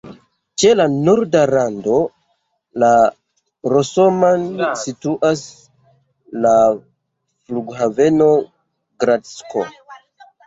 Ĉe la norda rando de Rosoman situas la Flughaveno Gradsko.